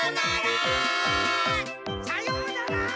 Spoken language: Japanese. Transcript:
さようなら！